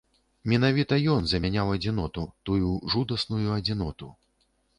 Менавіта ён замяняў адзіноту, тую жудасную адзіноту.